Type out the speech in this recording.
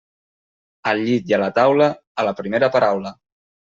Al llit i a la taula, a la primera paraula.